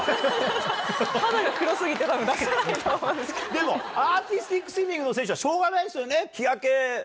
でもアーティスティックスイミングの選手はしょうがないですよね。